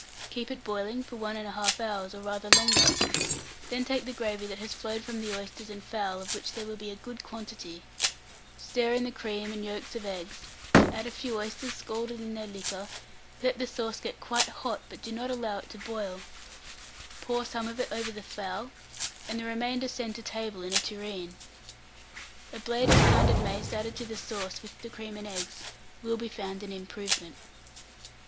Keep it boiling for 1 1/2 hour, or rather longer; then take the gravy that has flowed from the oysters and fowl, of which there will be a good quantity; stir in the cream and yolks of eggs, add a few oysters scalded in their liquor; let the sauce get quite hot, but do not allow it to boil; pour some of it over the fowl, and the remainder send to table in a tureen. A blade of pounded mace added to the sauce, with the cream and eggs, will be found an improvement.